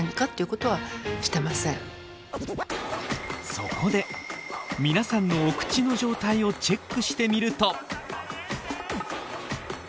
そこで皆さんのお口の状態をチェックしてみると。